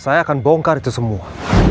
saya akan bongkar itu semua